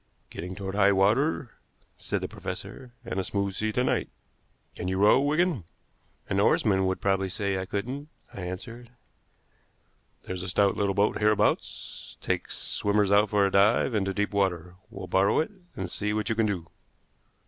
"Getting toward high water," said the professor, "and a smooth sea to night. Can you row, Wigan?" "An oarsman would probably say I couldn't," I answered. "There's a stout little boat hereabouts takes swimmers out for a dive into deep water. We'll borrow it, and see what you can do."